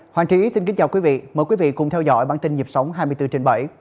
hoàng trí xin kính chào quý vị mời quý vị cùng theo dõi bản tin nhịp sống hai mươi bốn trên bảy